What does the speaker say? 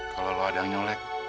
kalau lo ada yang nyolek